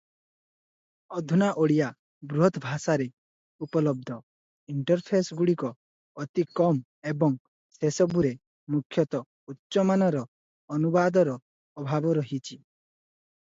ଅଧୁନା ଓଡ଼ିଆ ବୃହତଭାଷାରେ ଉପଲବ୍ଧ ଇଣ୍ଟରଫେସଗୁଡ଼ିକ ଅତି କମ ଏବଂ ସେସବୁରେ ମୁଖ୍ୟତଃ ଉଚ୍ଚ ମାନର ଅନୁବାଦର ଅଭାବ ରହିଛି ।